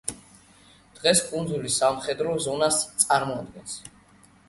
დღეს კუნძული სამხედრო ზონას წარმოადგენს.